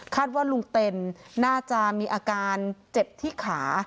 ว่าลุงเต็นน่าจะมีอาการเจ็บที่ขา